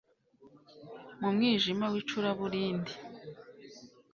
mu mwijima w'icuraburindi